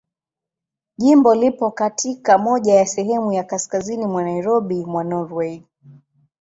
Jimbo lipo katika moja ya sehemu za kaskazini mwa Magharibi mwa Norwei.